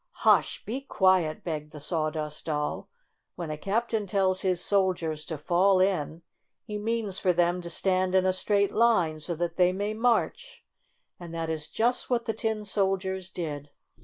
"Hush! Be quiet!" begged the Saw dust Doll. "When a captain tells his sol diers to 'fall in' he means for them to stand in a straight line so they may march." And that is just what the Tin Soldiers did.